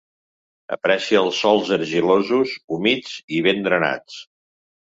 Aprecia els sols argilosos, humits i ben drenats.